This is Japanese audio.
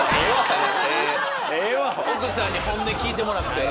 奥さんに本音聞いてもらって。